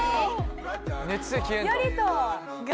熱で消えるんだ！